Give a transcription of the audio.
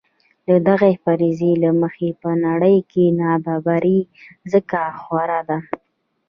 دغې فرضیې له مخې په نړۍ کې نابرابري ځکه خوره ده.